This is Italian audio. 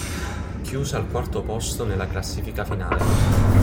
Chiuse al quarto posto nella classifica finale.